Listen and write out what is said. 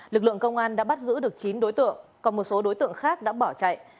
lực lượng công an đã bắt giữ được chín đối tượng còn một số đối tượng khác đã bỏ chạy